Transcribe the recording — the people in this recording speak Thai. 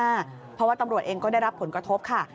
เพราะว่าตำรวจเองก็ได้รับผลกระทบค่ะ